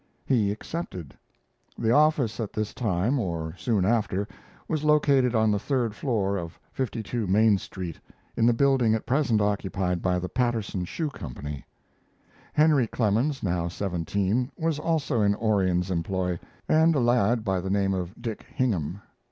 He accepted. The office at this time, or soon after, was located on the third floor of 52 Main Street, in the building at present occupied by the Paterson Shoe Company. Henry Clemens, now seventeen, was also in Orion's employ, and a lad by the name of Dick Hingham.